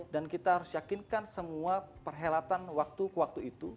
dan kita harus yakinkan semua perhelatan waktu ke waktu itu